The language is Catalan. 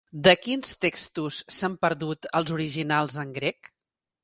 De quins textos s'han perdut els originals en grec?